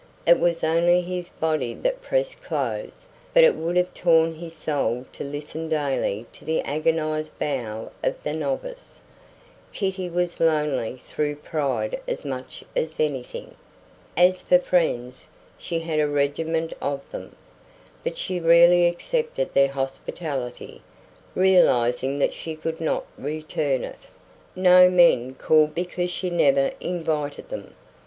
It was only his body that pressed clothes; but it would have torn his soul to listen daily to the agonized bow of the novice. Kitty was lonely through pride as much as anything. As for friends, she had a regiment of them. But she rarely accepted their hospitality, realizing that she could not return it. No young men called because she never invited them.